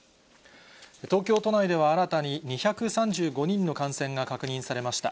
東京都内では、新たに２３５人の感染が確認されました。